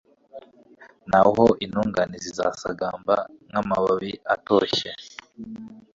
naho intungane zizasagamba nk'amababi atoshye